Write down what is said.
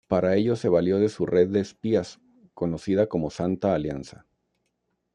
Para ello se valió de su red de espías, conocida como Santa Alianza.